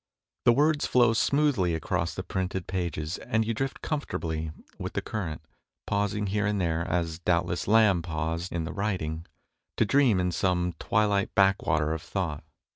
The words flow smoothly across the printed pages, and you drift com fortably with the current, pausing here and there, as doubtless Lamb paused in the writ ing, to dream in some twilit backwater of thought.